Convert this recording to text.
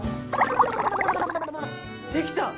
できた！